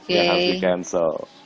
yang habis di cancel